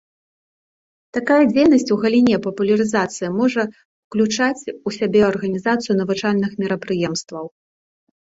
Такая дзейнасць у галіне папулярызацыі можа ўключаць у сябе арганізацыю навучальных мерапрыемстваў.